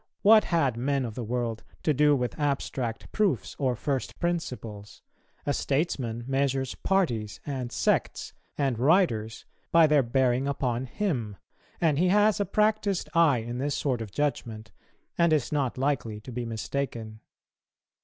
What had men of the world to do with abstract proofs or first principles? a statesman measures parties, and sects, and writers by their bearing upon him; and he has a practised eye in this sort of judgment, and is not likely to be mistaken.